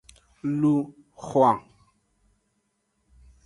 Lun hwan.